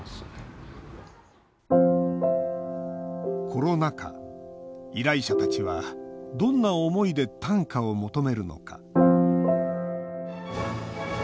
コロナ禍、依頼者たちはどんな思いで短歌を求めるのか。